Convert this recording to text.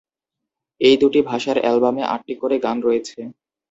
এই দুই ভাষার অ্যালবামে আটটি করে গান রয়েছে।